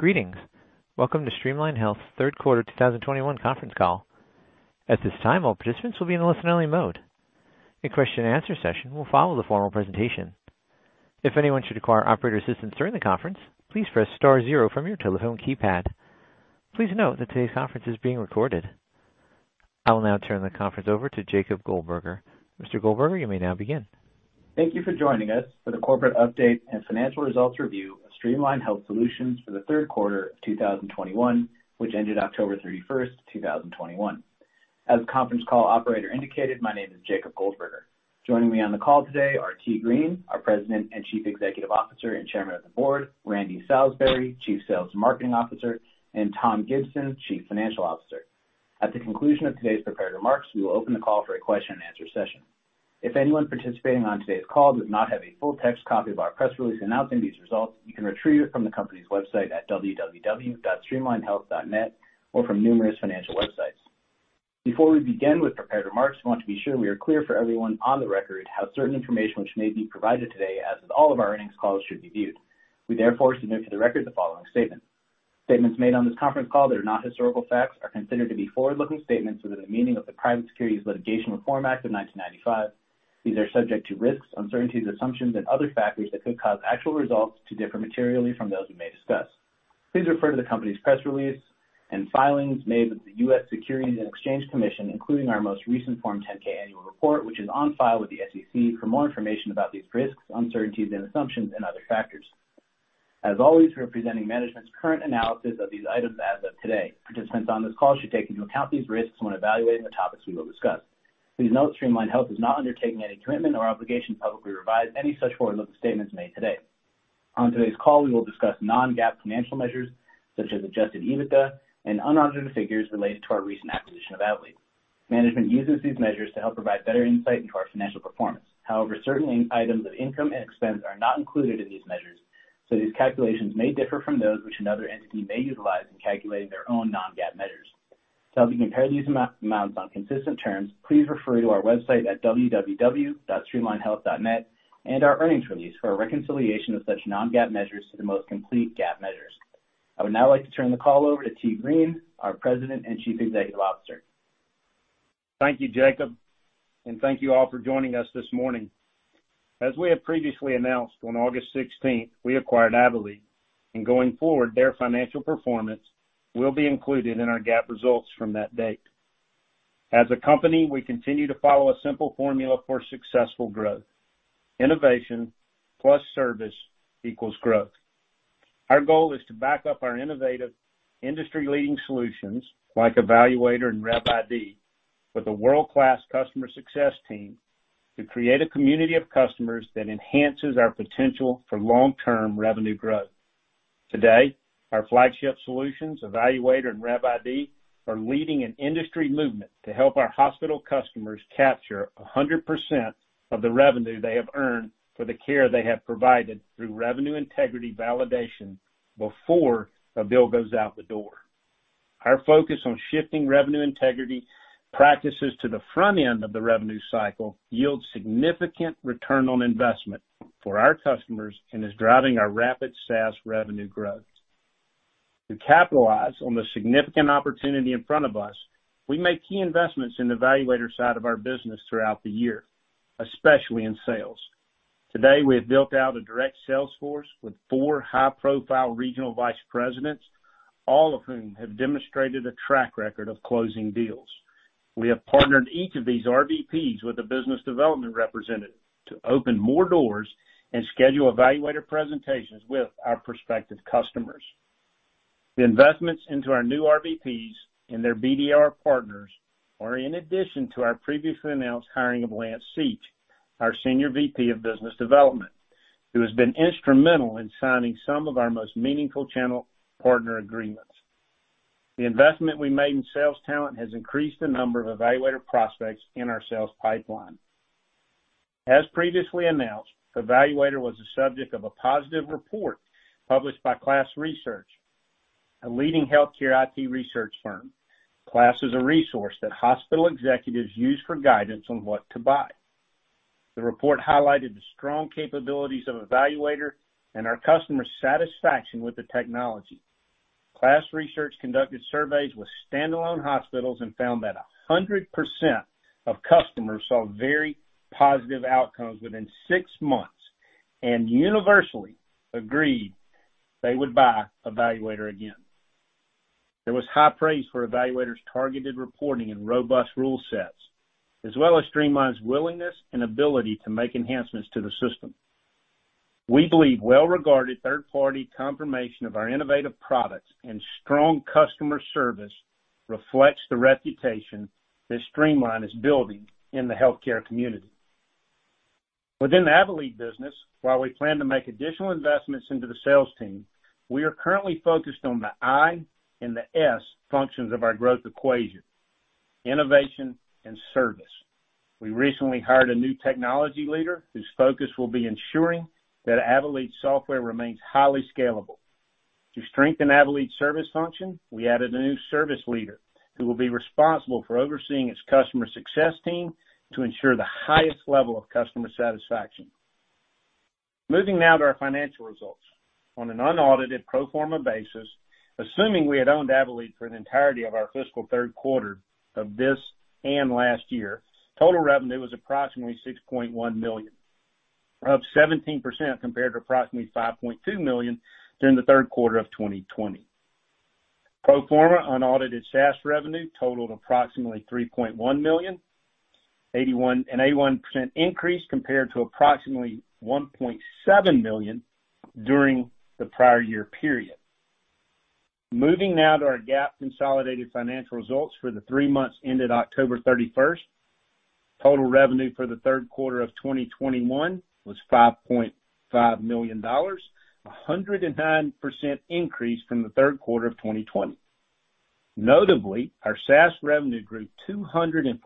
Greetings. Welcome to Streamline Health's third quarter 2021 conference call. At this time, all participants will be in a listen only mode. A question and answer session will follow the formal presentation. If anyone should require operator assistance during the conference, please press star zero from your telephone keypad. Please note that today's conference is being recorded. I will now turn the conference over to Jacob Goldberger. Mr. Goldberger, you may now begin. Thank you for joining us for the corporate update and financial results review of Streamline Health Solutions for the third quarter of 2021, which ended October 31st, 2021. As the conference call operator indicated, my name is Jacob Goldberger. Joining me on the call today are T. Green, our President and Chief Executive Officer and Chairman of the Board, Randy Salisbury, Chief Sales and Marketing Officer, and Tom Gibson, Chief Financial Officer. At the conclusion of today's prepared remarks, we will open the call for a question and answer session. If anyone participating on today's call does not have a full text copy of our press release announcing these results, you can retrieve it from the company's website at www.streamlinehealth.net, or from numerous financial websites. Before we begin with prepared remarks, we want to be sure we are clear for everyone on the record how certain information which may be provided today, as with all of our earnings calls, should be viewed. We therefore submit for the record the following statement. Statements made on this conference call that are not historical facts are considered to be forward-looking statements within the meaning of the Private Securities Litigation Reform Act of 1995. These are subject to risks, uncertainties, assumptions and other factors that could cause actual results to differ materially from those we may discuss. Please refer to the company's press release and filings made with the U.S. Securities and Exchange Commission, including our most recent Form 10-K annual report, which is on file with the SEC. For more information about these risks, uncertainties and assumptions and other factors. As always, we are presenting management's current analysis of these items as of today. Participants on this call should take into account these risks when evaluating the topics we will discuss. Please note, Streamline Health is not undertaking any commitment or obligation to publicly revise any such forward-looking statements made today. On today's call, we will discuss non-GAAP financial measures such as Adjusted EBITDA and unaudited figures related to our recent acquisition of Avelead. Management uses these measures to help provide better insight into our financial performance. However, certain items of income and expense are not included in these measures, so these calculations may differ from those which another entity may utilize in calculating their own non-GAAP measures. To help you compare these amounts on consistent terms, please refer to our website at www.streamlinehealth.net and our earnings release for a reconciliation of such non-GAAP measures to the most complete GAAP measures. I would now like to turn the call over to T. Green, our President and Chief Executive Officer. Thank you, Jacob, and thank you all for joining us this morning. As we have previously announced, on August 16, we acquired Avelead, and going forward, their financial performance will be included in our GAAP results from that date. As a company, we continue to follow a simple formula for successful growth, innovation plus service equals growth. Our goal is to back up our innovative industry-leading solutions like eValuator and RevID with a world class customer success team to create a community of customers that enhances our potential for long term revenue growth. Today, our flagship solutions, eValuator and RevID, are leading an industry movement to help our hospital customers capture 100% of the revenue they have earned for the care they have provided through revenue integrity validation before a bill goes out the door. Our focus on shifting revenue integrity practices to the front end of the revenue cycle yields significant return on investment for our customers and is driving our rapid SaaS revenue growth. To capitalize on the significant opportunity in front of us, we make key investments in the eValuator side of our business throughout the year, especially in sales. Today, we have built out a direct sales force with four high-profile regional vice presidents, all of whom have demonstrated a track record of closing deals. We have partnered each of these RVPs with a business development representative to open more doors and schedule eValuator presentations with our prospective customers. The investments into our new RVPs and their BDR partners are in addition to our previously announced hiring of Lance Seach, our Senior VP of Business Development, who has been instrumental in signing some of our most meaningful channel partner agreements. The investment we made in sales talent has increased the number of eValuator prospects in our sales pipeline. As previously announced, eValuator was the subject of a positive report published by KLAS Research, a leading healthcare IT research firm. KLAS is a resource that hospital executives use for guidance on what to buy. The report highlighted the strong capabilities of eValuator and our customer satisfaction with the technology. KLAS Research conducted surveys with standalone hospitals and found that 100% of customers saw very positive outcomes within six months and universally agreed they would buy eValuator again. There was high praise for eValuator's targeted reporting and robust rule sets, as well as Streamline's willingness and ability to make enhancements to the system. We believe well-regarded third-party confirmation of our innovative products and strong customer service reflects the reputation that Streamline is building in the healthcare community. Within the Avelead business, while we plan to make additional investments into the sales team, we are currently focused on the I and the S functions of our growth equation, innovation and service. We recently hired a new technology leader whose focus will be ensuring that Avelead software remains highly scalable. To strengthen Avelead's service function, we added a new service leader who will be responsible for overseeing its customer success team to ensure the highest level of customer satisfaction. Moving now to our financial results. On an unaudited pro forma basis, assuming we had owned Avelead for the entirety of our fiscal third quarter of this and last year, total revenue was approximately $6.1 million, up 17% compared to approximately $5.2 million during the third quarter of 2020. Pro forma unaudited SaaS revenue totaled approximately $3.1 million, an 81% increase compared to approximately $1.7 million during the prior year period. Moving now to our GAAP consolidated financial results for the three months ended October 31st. Total revenue for the third quarter of 2021 was $5.5 million, 109% increase from the third quarter of 2020. Notably, our SaaS revenue grew 214%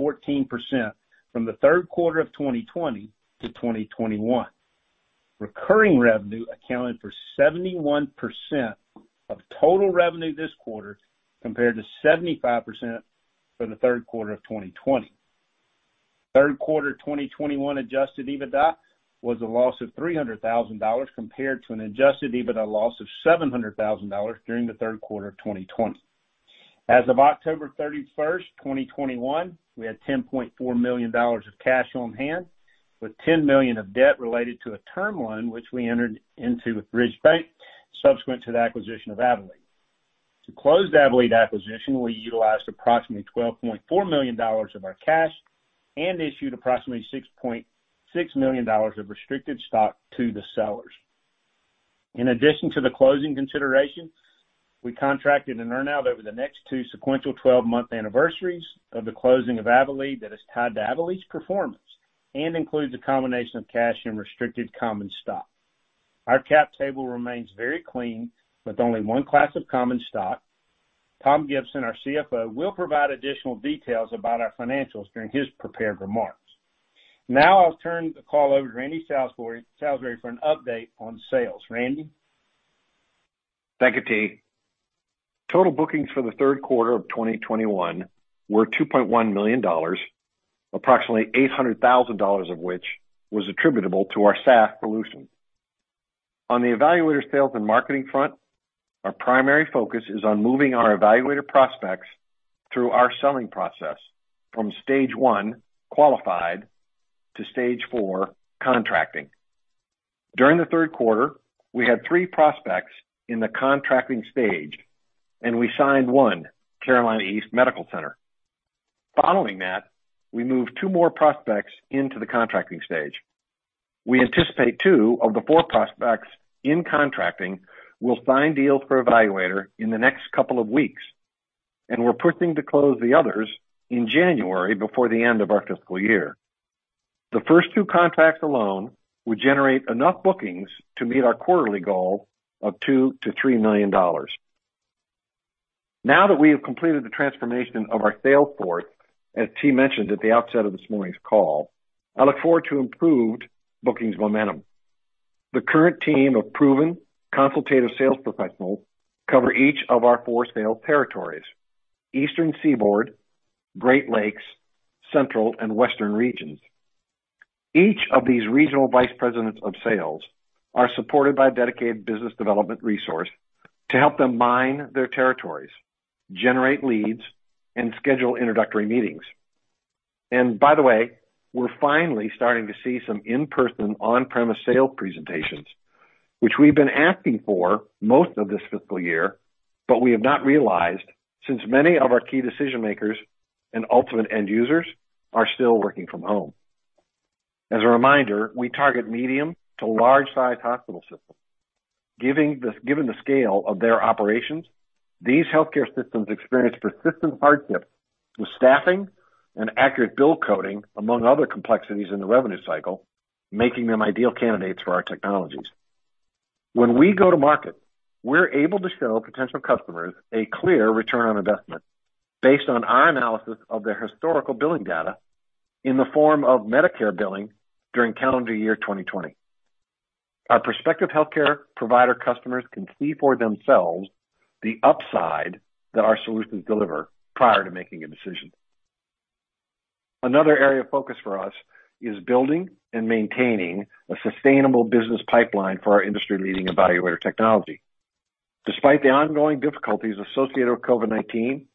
from the third quarter of 2020 to 2021. Recurring revenue accounted for 71% of total revenue this quarter, compared to 75% for the third quarter of 2020. Third quarter 2021 Adjusted EBITDA was a loss of $300,000 compared to an Adjusted EBITDA loss of $700,000 during the third quarter of 2020. As of October 31st, 2021, we had $10.4 million of cash on hand, with $10 million of debt related to a term loan which we entered into with Bridge Bank subsequent to the acquisition of Avelead. To close the Avelead acquisition, we utilized approximately $12.4 million of our cash and issued approximately $6.6 million of restricted stock to the sellers. In addition to the closing consideration, we contracted an earn-out over the next two sequential 12-month anniversaries of the closing of Avelead that is tied to Avelead's performance and includes a combination of cash and restricted common stock. Our cap table remains very clean with only one class of common stock. Tom Gibson, our CFO, will provide additional details about our financials during his prepared remarks. Now, I'll turn the call over to Randy Salisbury for an update on sales. Randy? Thank you, T. Total bookings for the third quarter of 2021 were $2.1 million, approximately $800,000 of which was attributable to our SaaS solution. On the eValuator sales and marketing front, our primary focus is on moving our eValuator prospects through our selling process from stage one, qualified, to stage four, contracting. During the third quarter, we had three prospects in the contracting stage, and we signed one, CarolinaEast Medical Center. Following that, we moved two more prospects into the contracting stage. We anticipate two of the four prospects in contracting will sign deals for eValuator in the next couple of weeks, and we're pushing to close the others in January before the end of our fiscal year. The first two contracts alone would generate enough bookings to meet our quarterly goal of $2 million-$3 million. Now, that we have completed the transformation of our sales force, as T. mentioned at the outset of this morning's call, I look forward to improved bookings momentum. The current team of proven consultative sales professionals cover each of our four sales territories: Eastern Seaboard, Great Lakes, Central, and Western regions. Each of these regional vice presidents of sales are supported by a dedicated business development resource to help them mine their territories, generate leads, and schedule introductory meetings. By the way, we're finally starting to see some in-person, on-premise sales presentations, which we've been asking for most of this fiscal year, but we have not realized since many of our key decision makers and ultimate end users are still working from home. As a reminder, we target medium to large-size hospital systems. Given the scale of their operations, these healthcare systems experience persistent hardships with staffing and accurate bill coding, among other complexities in the revenue cycle, making them ideal candidates for our technologies. When we go to market, we're able to show potential customers a clear return on investment based on our analysis of their historical billing data in the form of Medicare billing during calendar year 2020. Our prospective healthcare provider customers can see for themselves the upside that our solutions deliver prior to making a decision. Another area of focus for us is building and maintaining a sustainable business pipeline for our industry-leading eValuator technology. Despite the ongoing difficulties associated with COVID-19,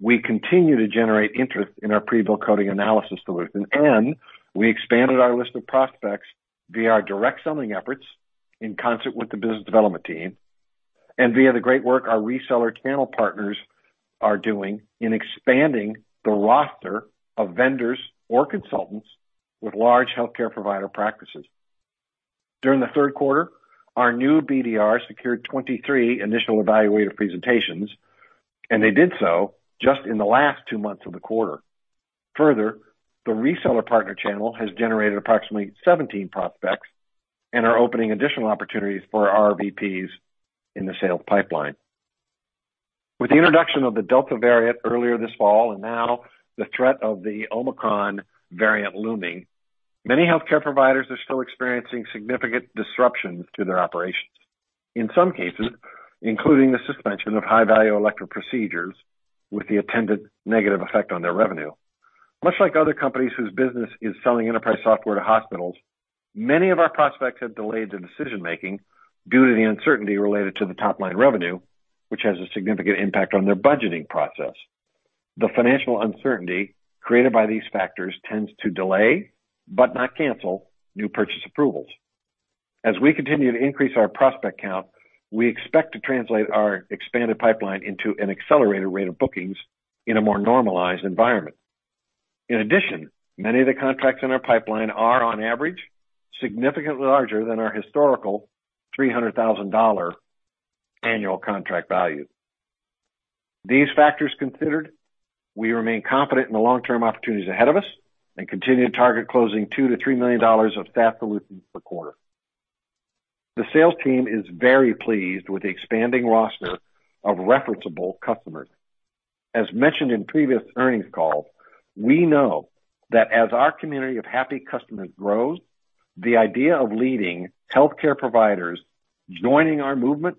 we continue to generate interest in our pre-bill coding analysis solution, and we expanded our list of prospects via our direct selling efforts in concert with the business development team and via the great work our reseller channel partners are doing in expanding the roster of vendors or consultants with large healthcare provider practices. During the third quarter, our new BDRs secured 23 initial eValuator presentations, and they did so just in the last two months of the quarter. Further, the reseller partner channel has generated approximately 17 prospects and are opening additional opportunities for our VPs in the sales pipeline. With the introduction of the Delta variant earlier this fall, and now the threat of the Omicron variant looming, many healthcare providers are still experiencing significant disruptions to their operations, in some cases including the suspension of high-value elective procedures with the attendant negative effect on their revenue. Much like other companies whose business is selling enterprise software to hospitals, many of our prospects have delayed their decision making due to the uncertainty related to the top-line revenue, which has a significant impact on their budgeting process. The financial uncertainty created by these factors tends to delay, but not cancel, new purchase approvals. As we continue to increase our prospect count, we expect to translate our expanded pipeline into an accelerated rate of bookings in a more normalized environment. In addition, many of the contracts in our pipeline are, on average, significantly larger than our historical $300,000 annual contract value. These factors considered, we remain confident in the long-term opportunities ahead of us and continue to target closing $2 million-$3 million of SaaS solutions per quarter. The sales team is very pleased with the expanding roster of referenceable customers. As mentioned in previous earnings calls, we know that as our community of happy customers grows, the idea of leading healthcare providers joining our movement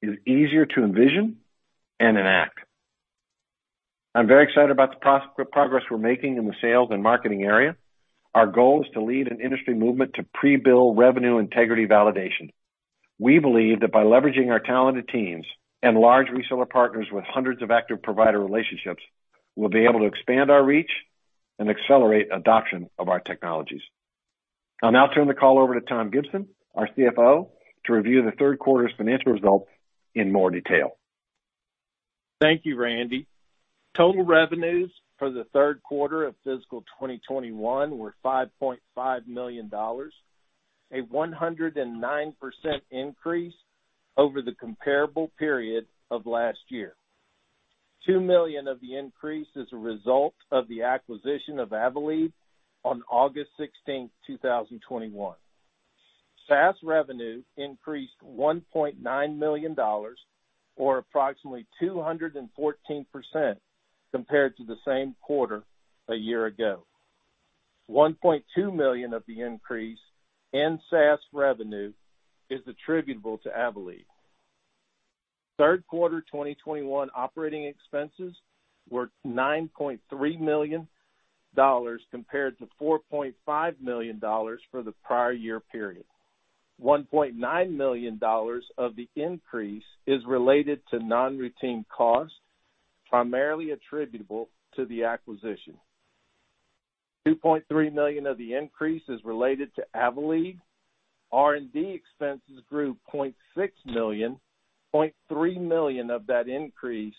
is easier to envision and enact. I'm very excited about the progress we're making in the sales and marketing area. Our goal is to lead an industry movement to pre-bill revenue integrity validation. We believe that by leveraging our talented teams and large reseller partners with hundreds of active provider relationships, we'll be able to expand our reach and accelerate adoption of our technologies. I'll now turn the call over to Tom Gibson, our CFO, to review the third quarter's financial results in more detail. Thank you, Randy. Total revenues for the third quarter of fiscal 2021 were $5.5 million, a 109% increase over the comparable period of last year. $2 million of the increase is a result of the acquisition of Avelead on August 16, 2021. SaaS revenue increased $1.9 million, or approximately 214% compared to the same quarter a year ago. $1.2 million of the increase in SaaS revenue is attributable to Avelead. Third quarter 2021 operating expenses were $9.3 million compared to $4.5 million for the prior year period. $1.9 million of the increase is related to non-routine costs, primarily attributable to the acquisition. $2.3 million of the increase is related to Avelead. R&D expenses grew $0.6 million. $0.3 million of that increase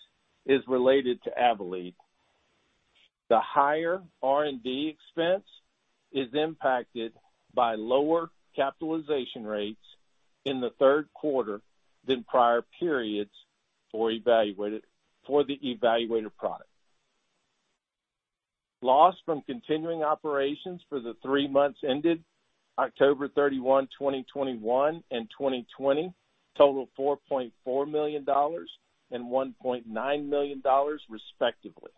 is related to Avelead. The higher R&D expense is impacted by lower capitalization rates in the third quarter than prior periods for the eValuator product. Loss from continuing operations for the three months ended October 31, 2021 and 2020 totaled $4.4 million and $1.9 million, respectively.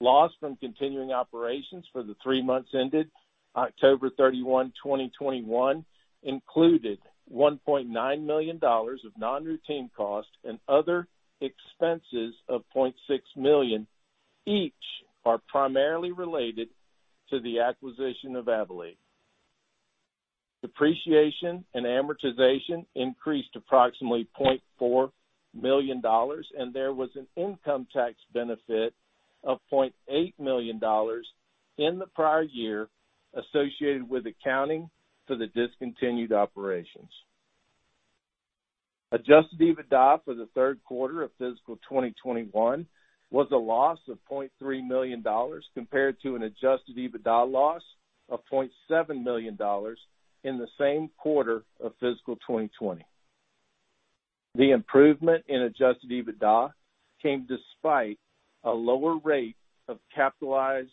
Loss from continuing operations for the three months ended October 31, 2021 included $1.9 million of non-routine costs and other expenses of $0.6 million. Each are primarily related to the acquisition of Avelead. Depreciation and amortization increased approximately $0.4 million, and there was an income tax benefit of $0.8 million in the prior year associated with accounting for the discontinued operations. Adjusted EBITDA for the third quarter of fiscal 2021 was a loss of $0.3 million compared to an Adjusted EBITDA loss of $0.7 million in the same quarter of fiscal 2020. The improvement in Adjusted EBITDA came despite a lower rate of capitalized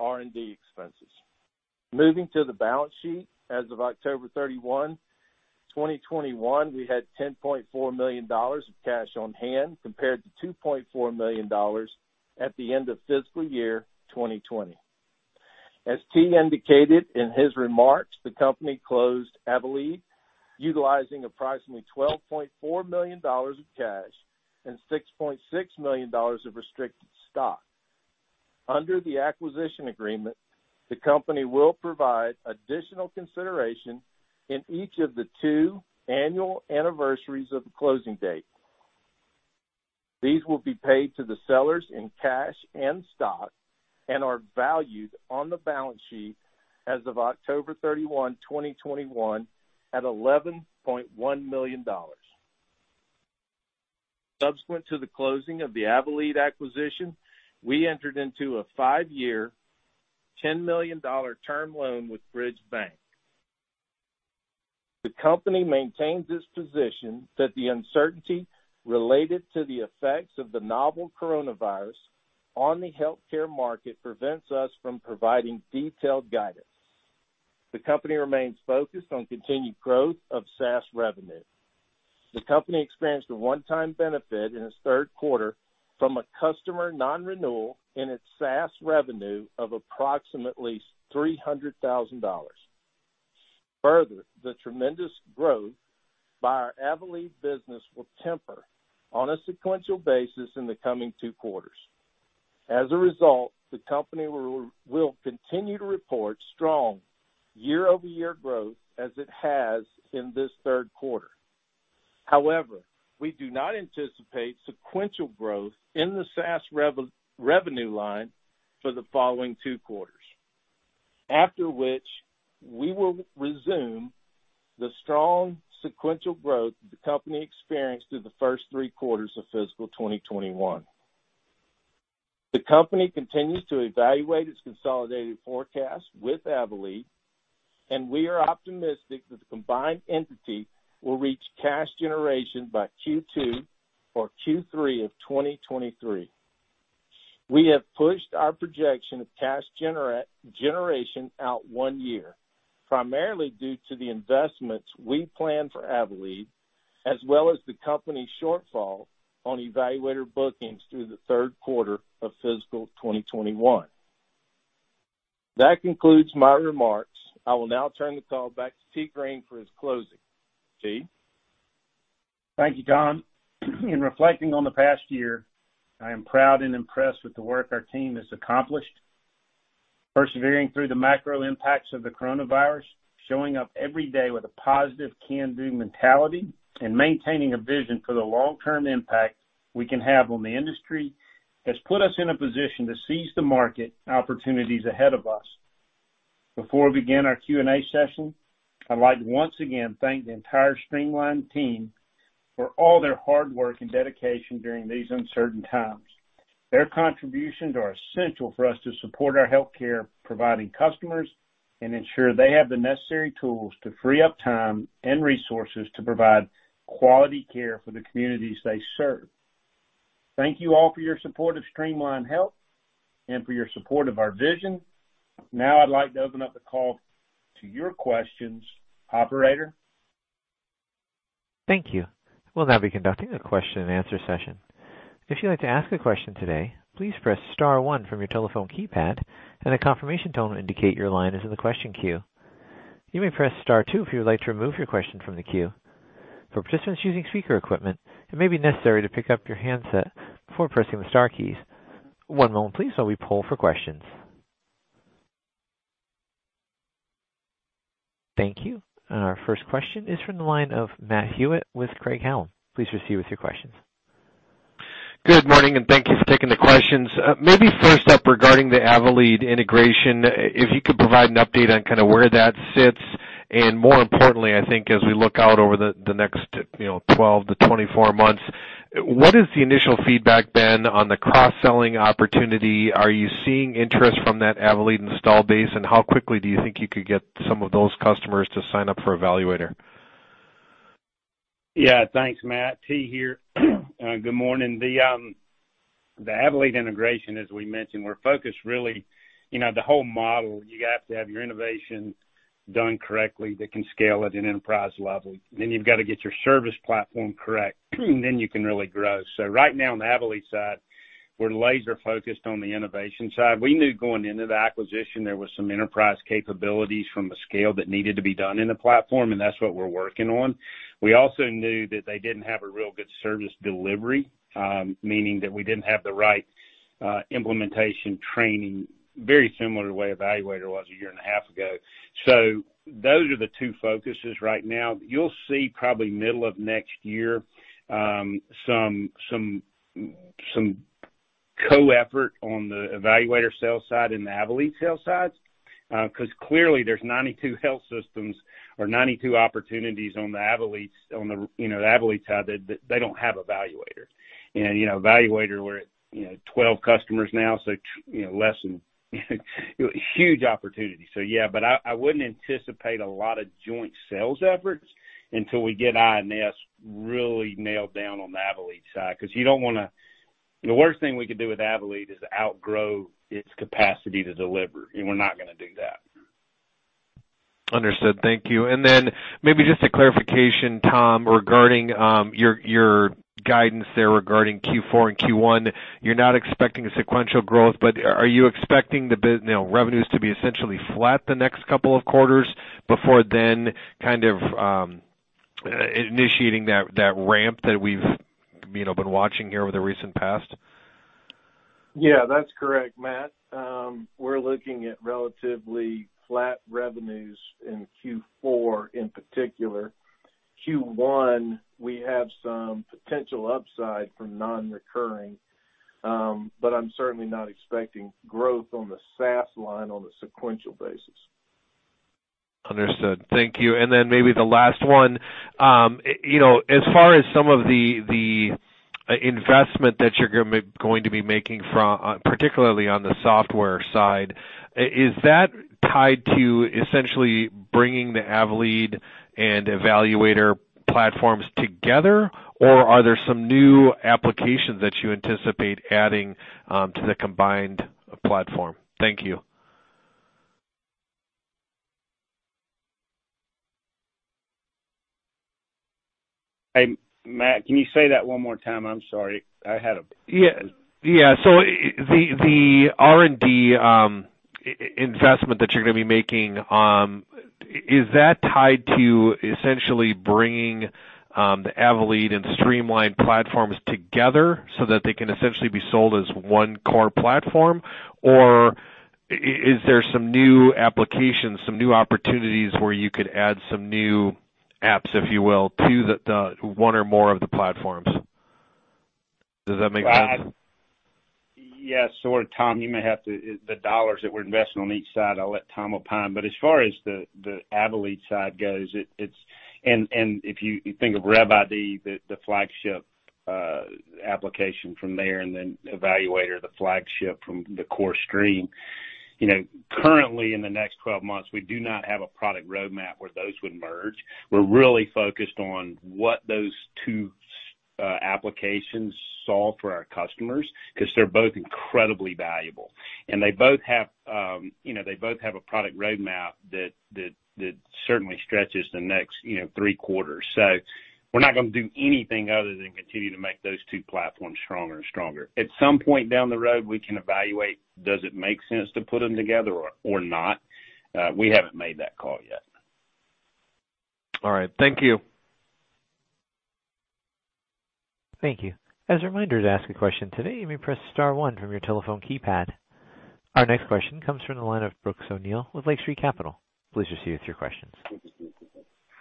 R&D expenses. Moving to the balance sheet, as of October 31, 2021, we had $10.4 million of cash on hand, compared to $2.4 million at the end of fiscal year 2020. As T. Green indicated in his remarks, the company closed Avelead utilizing approximately $12.4 million of cash and $6.6 million of restricted stock. Under the acquisition agreement, the company will provide additional consideration in each of the two annual anniversaries of the closing date. These will be paid to the sellers in cash and stock and are valued on the balance sheet as of October 31, 2021 at $11.1 million. Subsequent to the closing of the Avelead acquisition, we entered into a five-year, $10 million term loan with Bridge Bank. The company maintains its position that the uncertainty related to the effects of the novel coronavirus on the healthcare market prevents us from providing detailed guidance. The company remains focused on continued growth of SaaS revenue. The company experienced a one-time benefit in its third quarter from a customer non-renewal in its SaaS revenue of approximately $300,000. Further, the tremendous growth by our Avelead business will temper on a sequential basis in the coming two quarters. As a result, the company will continue to report strong year-over-year growth as it has in this third quarter. However, we do not anticipate sequential growth in the SaaS revenue line for the following two quarters. After which, we will resume the strong sequential growth the company experienced through the first three quarters of fiscal 2021. The company continues to evaluate its consolidated forecast with Avelead, and we are optimistic that the combined entity will reach cash generation by Q2 or Q3 of 2023. We have pushed our projection of cash generation out one year, primarily due to the investments we plan for Avelead, as well as the company's shortfall on eValuator bookings through the third quarter of fiscal 2021. That concludes my remarks. I will now turn the call back to T. Green for his closing. T? Thank you, Tom. In reflecting on the past year, I am proud and impressed with the work our team has accomplished. Persevering through the macro impacts of the coronavirus, showing up every day with a positive can-do mentality, and maintaining a vision for the long-term impact we can have on the industry has put us in a position to seize the market opportunities ahead of us. Before we begin our Q&A session, I'd like to once again thank the entire Streamline team for all their hard work and dedication during these uncertain times. Their contributions are essential for us to support our healthcare-providing customers, and ensure they have the necessary tools to free up time and resources to provide quality care for the communities they serve. Thank you all for your support of Streamline Health and for your support of our vision. Now, I'd like to open up the call to your questions. Operator? Thank you. We'll now be conducting a question-and-answer session. If you'd like to ask a question today, please press star one from your telephone keypad, and a confirmation tone will indicate your line is in the question queue. You may press star two if you would like to remove your question from the queue. For participants using speaker equipment, it may be necessary to pick up your handset before pressing the star keys. One moment please, while we poll for questions. Thank you. Our first question is from the line of Matt Hewitt with Craig-Hallum Capital Group. Please proceed with your questions. Good morning, and thank you for taking the questions. Maybe first up regarding the Avelead integration, if you could provide an update on kinda where that sits, and more importantly, I think, as we look out over the next, you know, 12-24 months, what has the initial feedback been on the cross-selling opportunity? Are you seeing interest from that Avelead install base, and how quickly do you think you could get some of those customers to sign up for eValuator? Yeah. Thanks, Matt. T. Green here. Good morning. The Avelead integration, as we mentioned, we're focused really, you know, the whole model, you have to have your innovation done correctly that can scale at an enterprise level. You've got to get your service platform correct, then you can really grow. Right now, on the Avelead side, we're laser focused on the innovation side. We knew going into the acquisition there was some enterprise capabilities from a scale that needed to be done in the platform, and that's what we're working on. We also knew that they didn't have a real good service delivery, meaning that we didn't have the right implementation training, very similar to the way eValuator was a year and a half ago. Those are the two focuses right now. You'll see probably middle of next year, some co-effort on the eValuator sales side and the Avelead sales sides. 'Cause clearly there's 92 health systems or 92 opportunities on the Avelead's, you know, the Avelead side that they don't have eValuator. You know, eValuator, we're at 12 customers now, so you know, less than huge opportunity. Yeah, but I wouldn't anticipate a lot of joint sales efforts until we get INS really nailed down on the Avelead side, 'cause you don't wanna. The worst thing we could do with Avelead is outgrow its capacity to deliver, and we're not gonna do that. Understood. Thank you. Maybe just a clarification, Tom, regarding your guidance there regarding Q4 and Q1. You're not expecting sequential growth, but are you expecting revenues to be essentially flat the next couple of quarters before then kind of initiating that ramp that we've you know been watching here over the recent past? Yeah, that's correct, Matt. We're looking at relatively flat revenues in Q4 in particular. Q1, we have some potential upside from non-recurring, but I'm certainly not expecting growth on the SaaS line on a sequential basis. Understood. Thank you. Maybe the last one. You know, as far as some of the investment that you're going to be making, particularly on the software side, is that tied to essentially bringing the Avelead and eValuator platforms together, or are there some new applications that you anticipate adding to the combined platform? Thank you. Hey, Matt, can you say that one more time? I'm sorry. Yeah. Yeah. The R&D investment that you're gonna be making is that tied to essentially bringing the Avelead and Streamline platforms together so that they can essentially be sold as one core platform? Or is there some new applications, some new opportunities where you could add some new apps, if you will, to the one or more of the platforms? Does that make sense? Yes. Sorry, Tom. The dollars that we're investing on each side, I'll let Tom opine. As far as the Avelead side goes, it's if you think of RevID, the flagship application from there, and then eValuator, the flagship from the core Streamline, you know, currently in the next 12 months, we do not have a product roadmap where those would merge. We're really focused on what those two applications solve for our customers because they're both incredibly valuable and they both have, you know, they both have a product roadmap that certainly stretches the next, you know, three quarters. We're not gonna do anything other than continue to make those two platforms stronger and stronger. At some point down the road we can evaluate, does it make sense to put them together or not? We haven't made that call yet. All right. Thank you. Thank you. As a reminder, to ask a question today, you may press star one from your telephone keypad. Our next question comes from the line of Brooks O'Neil with Lake Street Capital. Please proceed with your questions.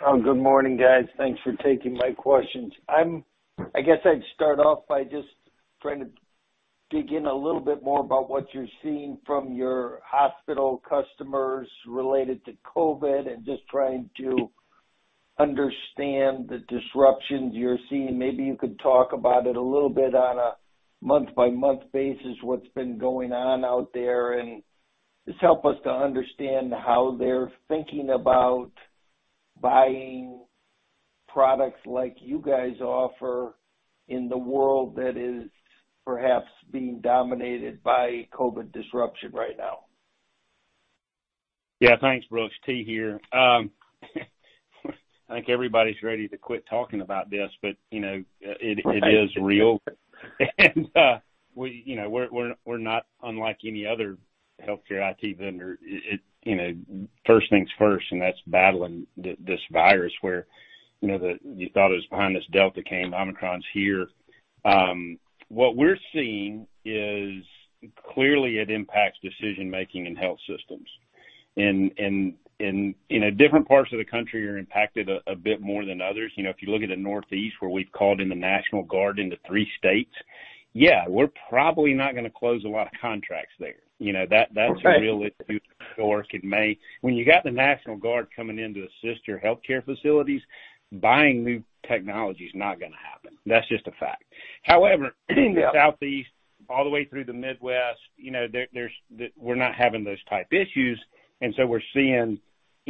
Oh, good morning, guys. Thanks for taking my questions. I'm. I guess, I'd start off by just trying to dig in a little bit more about what you're seeing from your hospital customers related to COVID and just trying to understand the disruptions you're seeing. Maybe you could talk about it a little bit on a month-by-month basis, what's been going on out there, and just help us to understand how they're thinking about buying products like you guys offer in the world that is perhaps being dominated by COVID disruption right now. Yeah. Thanks, Brooks. T. Green here. I think everybody's ready to quit talking about this, but you know it is real. We you know we're not unlike any other healthcare IT vendor. It you know first things first and that's battling this virus where you know. You thought it was behind us, Delta came, Omicron's here. What we're seeing is clearly it impacts decision-making in health systems and you know different parts of the country are impacted a bit more than others. You know if you look at the Northeast where we've called in the National Guard into three states, yeah we're probably not gonna close a lot of contracts there. You know that... Right. That's a real issue in New York, in May. When you got the National Guard coming in to assist your healthcare facilities, buying new technology is not gonna happen. That's just a fact. However. Yeah. The Southeast all the way through the Midwest, you know, We're not having those type issues. We're seeing,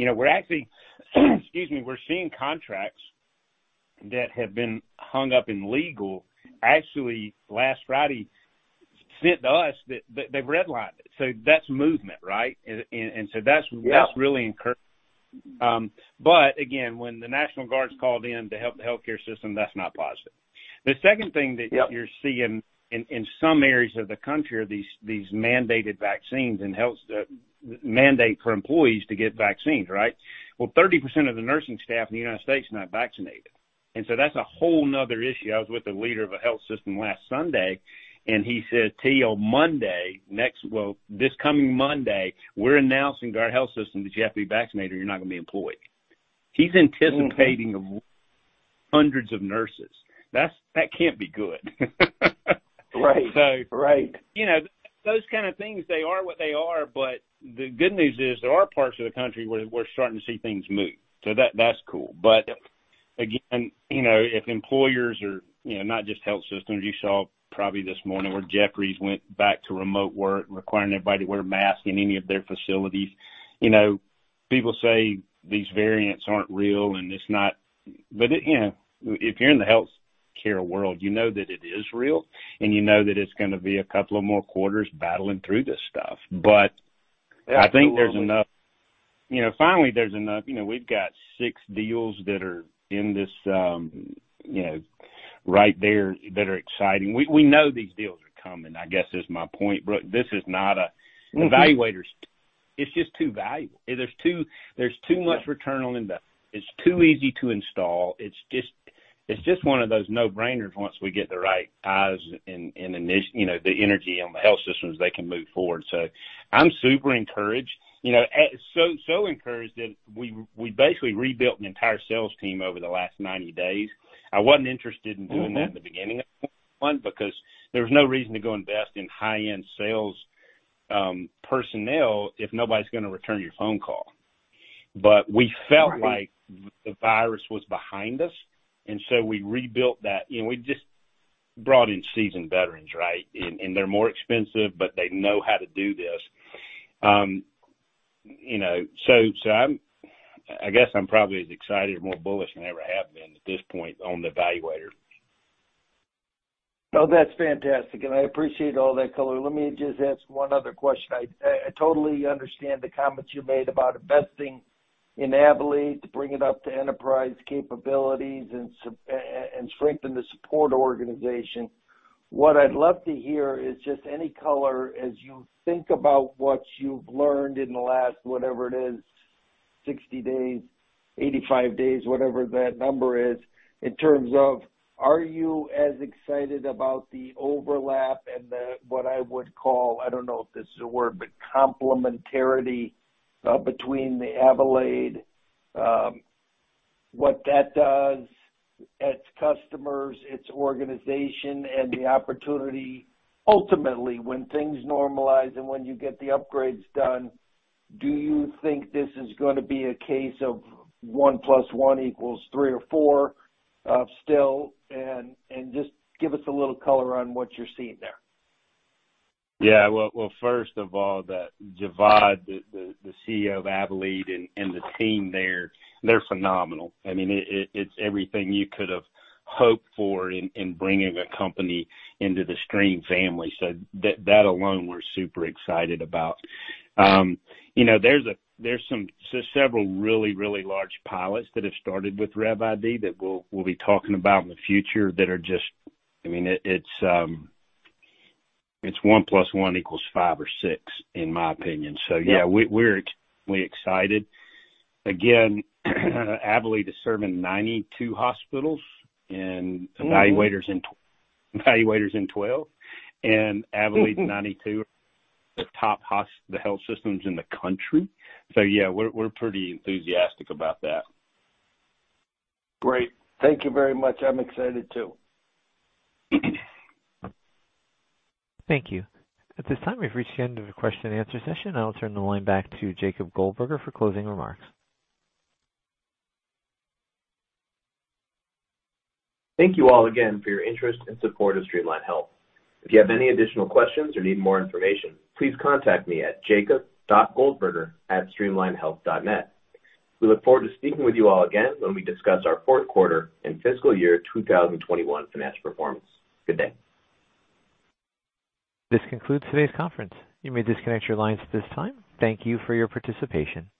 you know, we're actually, excuse me, we're seeing contracts that have been hung up in legal actually last Friday sent to us that they've redlined it. So that's movement, right? That's Yeah. That's really encouraging. Again, when the National Guard's called in to help the healthcare system, that's not positive. The second thing that- Yep. ...you're seeing in some areas of the country these mandated vaccines and health mandate for employees to get vaccines, right? Well, 30% of the nursing staff in the United States are not vaccinated. That's a whole nother issue. I was with the leader of a health system last Sunday, and he said, "T, this coming Monday, we're announcing to our health system that you have to be vaccinated or you're not gonna be employed." He's anticipating of hundreds of nurses. That can't be good. Right. So- Right. You know, those kind of things, they are what they are. The good news is there are parts of the country where we're starting to see things move, so that's cool. Again, you know, if employers are, you know, not just health systems, you saw probably this morning where Jefferies went back to remote work requiring everybody to wear masks in any of their facilities. You know, people say these variants aren't real and it's not. You know, if you're in the healthcare world, you know that it is real and you know that it's gonna be a couple of more quarters battling through this stuff. Yeah, absolutely. I think there's enough. You know, finally there's enough. You know, we've got six deals that are in this, you know, right there that are exciting. We know these deals are coming, I guess is my point, Brooks. This is not an eValuator's. It's just too valuable. There's too much return on investment. It's too easy to install. It's just one of those no-brainers once we get the right eyes and you know, the energy on the health systems, they can move forward. I'm super encouraged, you know, so encouraged that we basically rebuilt an entire sales team over the last 90 days. I wasn't interested in doing that in the beginning of the fund because there was no reason to go invest in high-end sales personnel if nobody's gonna return your phone call. We felt like the virus was behind us, and so we rebuilt that and we just brought in seasoned veterans, right? And they're more expensive, but they know how to do this. You know, so I guess I'm probably as excited or more bullish than I ever have been at this point on the eValuator. No, that's fantastic, and I appreciate all that color. Let me just ask one other question. I totally understand the comments you made about investing in Avelead to bring it up to enterprise capabilities and strengthen the support organization. What I'd love to hear is just any color as you think about what you've learned in the last, whatever it is, 60 days, 85 days, whatever that number is, in terms of are you as excited about the overlap and the, what I would call, I don't know if this is a word, but complementarity, between the Avelead, what that does, its customers, its organization, and the opportunity ultimately, when things normalize and when you get the upgrades done, do you think this is gonna be a case of one plus one equals three or four, still? Just give us a little color on what you're seeing there. Yeah. Well, first of all, Jawad, the CEO of Avelead and the team there, they're phenomenal. I mean, it's everything you could have hoped for in bringing a company into the Stream family. That alone we're super excited about. You know, there's some several really large pilots that have started with RevID that we'll be talking about in the future that are just, I mean, it's 1 + 1 = 5 or 6, in my opinion. Yeah. Yeah, we're extremely excited. Again, Avelead is serving 92 hospitals and- Ooh. eValuators in 12, and Avelead's 92 are the top health systems in the country. Yeah, we're pretty enthusiastic about that. Great. Thank you very much. I'm excited too. Thank you. At this time, we've reached the end of the question and answer session. I'll turn the line back to Jacob Goldberger for closing remarks. Thank you all again for your interest and support of Streamline Health. If you have any additional questions or need more information, please contact me at jacob.goldberger@streamlinehealth.net. We look forward to speaking with you all again when we discuss our fourth quarter and fiscal year 2021 financial performance. Good day. This concludes today's conference. You may disconnect your lines at this time. Thank you for your participation.